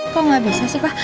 kok nggak bisa sih pak